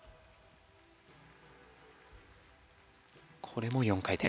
これも４回転。